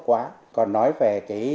quá còn nói về cái